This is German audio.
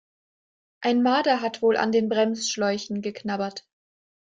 Ein Marder hat wohl an den Bremsschläuchen geknabbert.